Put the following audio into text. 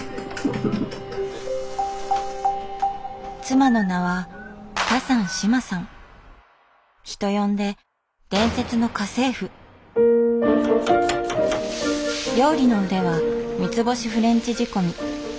妻の名は人呼んで料理の腕は三つ星フレンチ仕込み。